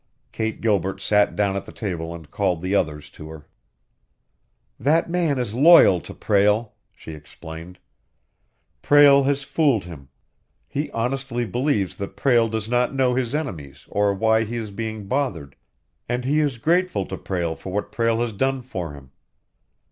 Kate Gilbert sat down at the table and called the others to her. "That man is loyal to Prale," she explained. "Prale has fooled him. He honestly believes that Prale does not know his enemies or why he is being bothered, and he is grateful to Prale for what Prale has done for him.